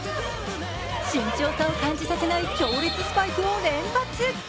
身長差を感じさせない強烈スパイクを連発。